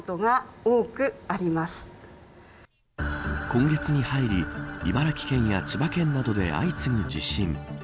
今月に入り茨城県や千葉県などで相次ぐ地震。